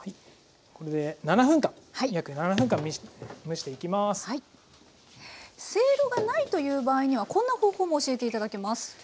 せいろがないという場合にはこんな方法も教えて頂けます。